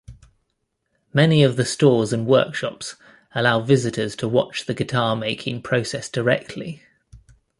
Many of the stores and workshops allow visitors to watch the guitar-making process directly.